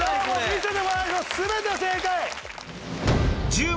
見せてもらいましょう全て正解！